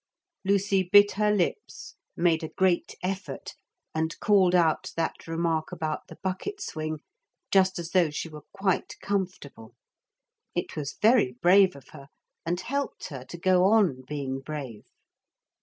Lucy bit her lips, made a great effort and called out that remark about the bucket swing, just as though she were quite comfortable. It was very brave of her and helped her to go on being brave.